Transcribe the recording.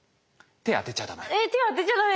手当てちゃ駄目。